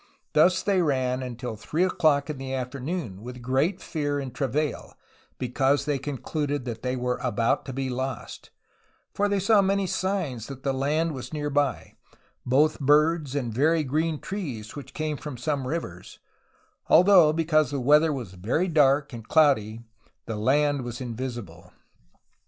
Thus they ran until three o'clock in the afternoon, with great fear and travail, because they concluded that they were about to be lost, for they saw many signs that the land was near by, both birds and very green trees, which came from some rivers, although because the weather was very dark and cloudy the land was invisible.